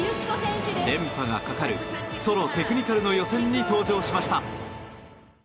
連覇がかかるソロテクニカルの予選に登場しました。